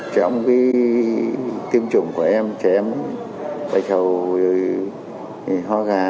trong cái tiêm chủng của em trẻ em bạch hầu hoa ga